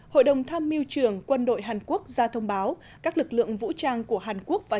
hội đồng tham mưu trưởng quân đội hàn quốc ra thông báo các lực lượng vũ trang của hàn quốc và